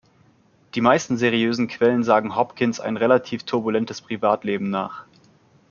Die meisten seriösen Quellen sagen Hopkins ein relativ turbulentes Privatleben nach.